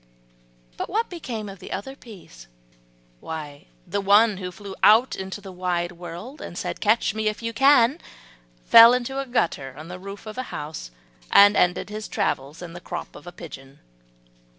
But what became of the other peas? Why the one who flew out into the wide world, and said, "Catch me if you can," fell into a gutter on the roof of a house, and ended his travels in the crop of a pigeon.